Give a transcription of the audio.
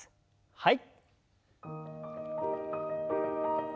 はい。